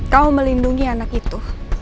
kamu melindungi anak itu